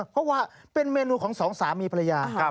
เพราะว่าเป็นเมนูของสองสามีภรรยา